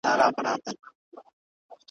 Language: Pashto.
تر ښارونو یې وتلې آوازه وه ,